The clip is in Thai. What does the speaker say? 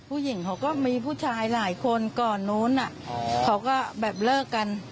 ผู้หญิงเขาก็มีผู้ชายหลายคนก่อนนู้นเขาก็แบบเลิกกัน